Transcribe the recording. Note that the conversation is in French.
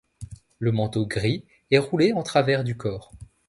Le manteau gris est roulé en travers du corps.